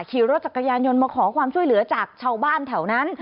ขี่รถจักรยานยนต์มาขอความช่วยเหลือจากชาวบ้านแถวนั้น